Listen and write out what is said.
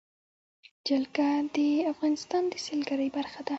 جلګه د افغانستان د سیلګرۍ برخه ده.